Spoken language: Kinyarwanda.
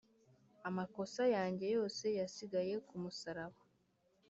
amakosa yanjye yose yasigaye kumusaraba